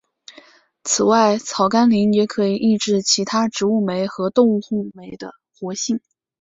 此外草甘膦也可以抑制其他植物酶和动物酶的活性。